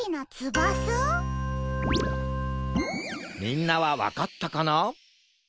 みんなはわかったかな？